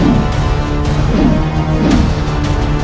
hormat selalu menyerang kakanda